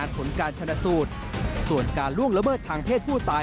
ผลการชนะสูตรส่วนการล่วงละเมิดทางเพศผู้ตาย